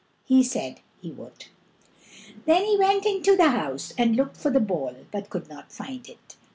He said he would. Then he went into the house, and looked for the ball, but could not find it.